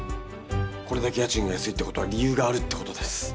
これだけ家賃が安いってことは理由があるってことです。